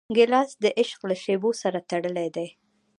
ګیلاس د عشق له شېبو سره تړلی دی.